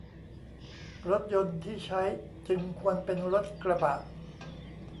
รถยนต์ที่ใช้จึงควรเป็นรถกระบะ